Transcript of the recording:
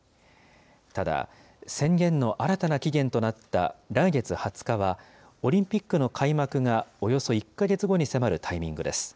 ただ、宣言の新たな期限となった来月２０日は、オリンピックの開幕がおよそ１か月後に迫るタイミングです。